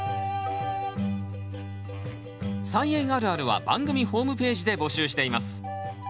「菜園あるある」は番組ホームページで募集しています。